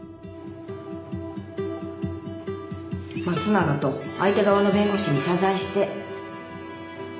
⁉松永と相手側の弁護士に謝罪して。